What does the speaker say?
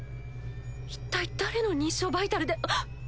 一体誰の認証バイタルではっ！